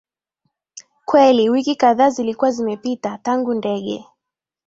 kweli Wiki kadhaa zilikuwa zimepita tangu ndege